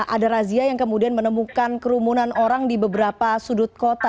ada razia yang kemudian menemukan kerumunan orang di beberapa sudut kota